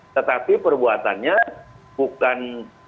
tetapi perbuatannya bukan